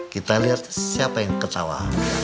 kita lihat siapa yang ketawa